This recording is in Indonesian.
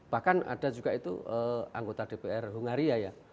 bahkan ada juga itu anggota dpr hungaria ya